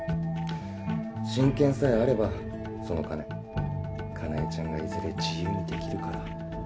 親権さえあればその金香奈江ちゃんがいずれ自由にできるから。